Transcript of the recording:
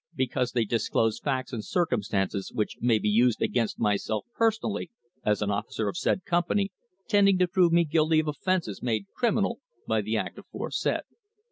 Because they disclose facts and circumstances which may be used against myself personally as an officer of said company, tending to prove me guilty of offences made criminal by the act aforesaid.